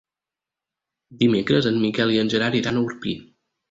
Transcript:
Dimecres en Miquel i en Gerard iran a Orpí.